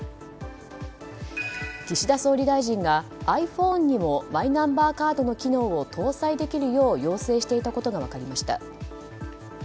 岸田総理大臣がｉＰｈｏｎｅにもマイナンバーカードの機能を搭載できるよう要請していたことが分かりました。